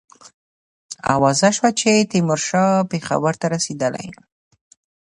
آوازه سوه چې تیمورشاه پېښور ته رسېدلی.